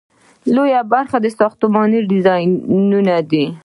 لومړی برخه ساختماني ډیزاین دی.